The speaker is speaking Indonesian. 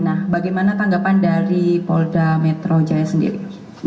nah bagaimana tanggapan dari polda metro jaya sendiri